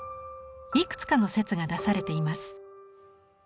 いくつかの説が出されています。